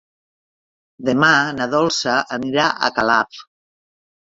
Demà na Dolça anirà a Calaf.